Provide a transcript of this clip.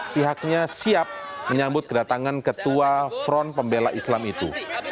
pihaknya siap menyambut kedatangan ketua front pembela islam itu